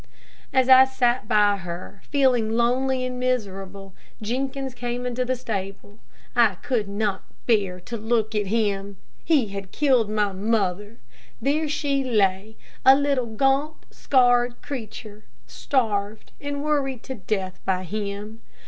As I sat by her, feeling lonely and miserable, Jenkins came into the stable. I could not bear to look at him. He had killed my mother. There she lay, a little, gaunt, scarred creature, starved and worried to death by him.